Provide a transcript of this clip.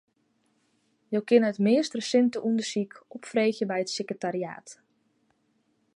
Jo kinne it meast resinte ûndersyk opfreegje by it sekretariaat.